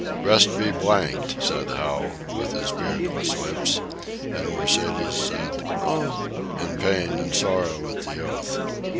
"Rest be blanked," said Hal, with his beardless lips; and Mercedes said, "Oh!" in pain and sorrow at the oath.